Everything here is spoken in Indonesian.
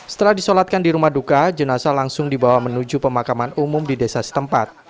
setelah disolatkan di rumah duka jenazah langsung dibawa menuju pemakaman umum di desa setempat